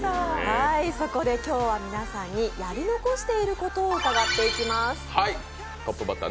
そこで今日は皆さんにやり残していることを伺います。